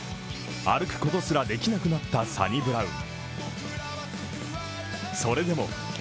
歩くことすらできなくなったサニブラウン。